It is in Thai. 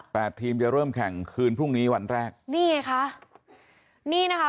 ทีมจะเริ่มแข่งคืนพรุ่งนี้วันแรกนี่ไงคะนี่นะคะ